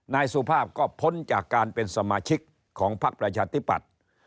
นายสุภาพก็พ้นจากการเป็นสมาชิกของพักประชาธิปัตย์